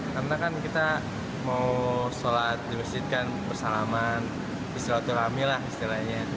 karena kan kita mau sholat dimestikan bersalaman istirahatul amilah istilahnya